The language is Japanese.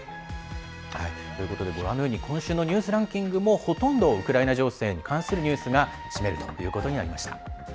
ということでご覧のように今週のニュースランキングもほとんどウクライナ情勢に関するニュースが占めるということになりました。